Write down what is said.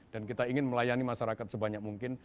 dan kita ingin melayani masyarakat sebanyak mungkin